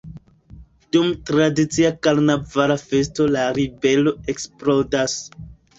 Dum tradicia karnavala festo la ribelo eksplodas.